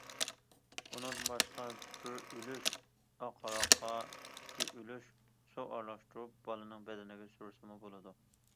ئۇنىڭدىن باشقا بىر ئۈلۈش ئاق ھاراققا ئىككى ئۈلۈش سۇ ئارىلاشتۇرۇپ بالىنىڭ بەدىنىگە سۈرسىمۇ بولىدۇ.